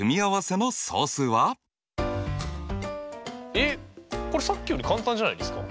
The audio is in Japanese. えっこれさっきより簡単じゃないですか？